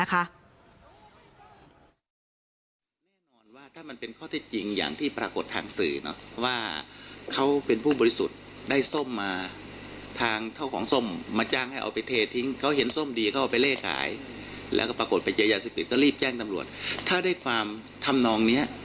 ก็แปลกว่าเมื่อกลับแรงไปขายสจานงานให้เขียน